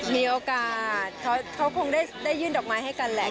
มีโอกาสเขาคงได้ยื่นดอกไม้ให้กันแหละ